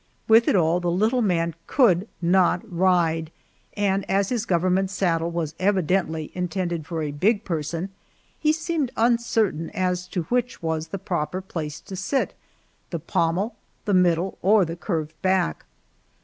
With it all the little man could not ride, and as his government saddle was evidently intended for a big person, he seemed uncertain as to which was the proper place to sit the pommel, the middle, or the curved back.